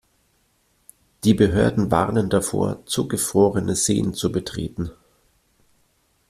Die Behörden warnen davor, zugefrorene Seen zu betreten.